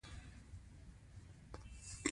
استاد د شاګرد هر بدلون ته درناوی کوي.